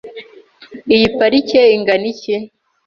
Iyi parike ingana iki?